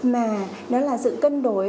mà nó là sự cân đối